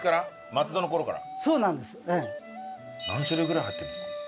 何種類ぐらい入ってるんですか？